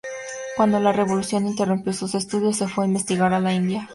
Cuando la revolución interrumpió sus estudios, se fue a investigar a la India.